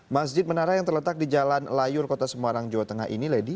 masjid menara yang terletak di jalan layur kota semarang jawa tengah ini lady